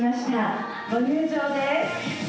ご入場です！